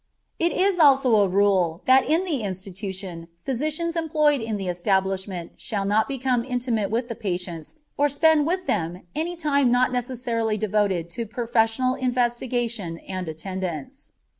It is also a rule that in the institution physicians employed in the establishment shall not become intimate with the patients or spend with them any time not necessarily devoted to professional investigation and attendance.